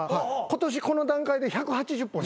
今年この段階で１８０本。